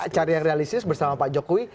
cari yang realistis bersama pak jokowi